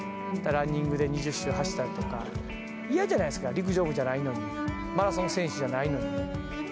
ランニングで２０周走ったりとか、嫌じゃないですか、陸上部じゃないのに、マラソン選手じゃないのに。